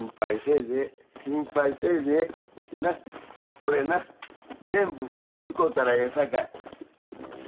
これな全部使うたらええさかい。